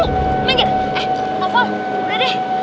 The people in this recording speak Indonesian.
emang begini eh noval udah deh